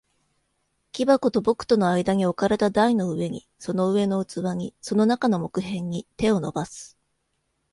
木箱と僕との間に置かれた台の上に、その上の器に、その中の木片に、手を伸ばす。